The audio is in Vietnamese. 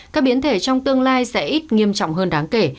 các biến thể trong tương lai sẽ ít nghiêm trọng hơn đáng kể